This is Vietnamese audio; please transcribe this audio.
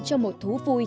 cho một thú vui